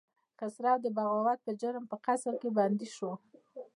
خسرو د بغاوت په جرم په قصر کې بندي شو.